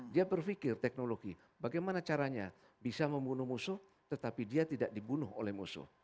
dia berpikir teknologi bagaimana caranya bisa membunuh musuh tetapi dia tidak dibunuh oleh musuh